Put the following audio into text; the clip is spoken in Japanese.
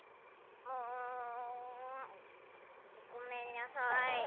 うんごめんにゃさい。